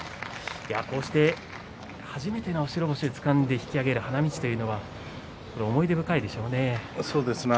こうして初めての白星をつかんで引き揚げる花道というのは思い出深いですよね。